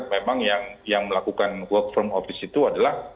memang yang melakukan work from office itu adalah